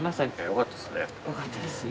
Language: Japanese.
よかったです